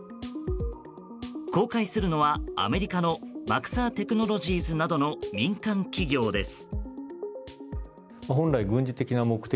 公開するのはアメリカのマクサー・テクノロジーズなどの民間企業です。